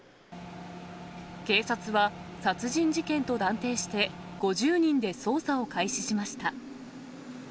警察は、殺人事件と断定して、５０人で捜査を開始しました。